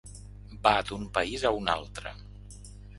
Va d'un país a un altre.